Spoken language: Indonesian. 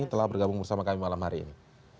telah bergabung bersama kami malam hari ini